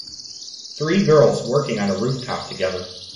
Three girls working on a rooftop together.